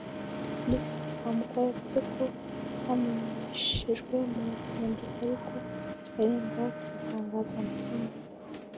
Minisitiri Rwamukwaya yavuze ko cyamenyeshejwe mu nyandiko ariko kikarenga kigatangiza amasomo